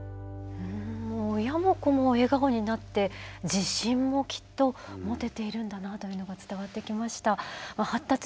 親も子も笑顔になって自信もきっと持てているんだなというのが伝わってきました。